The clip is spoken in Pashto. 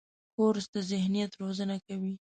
کورس د ذهن روزنه کوي.